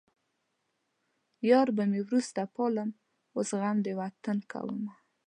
يار به مې وروسته پالم اوس غم د وطن کومه